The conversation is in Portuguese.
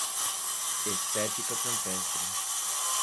Estética campestre